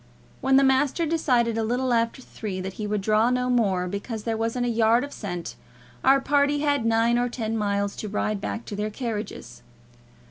When the master decided a little after three that he would draw no more, because there wasn't a yard of scent, our party had nine or ten miles to ride back to their carriages.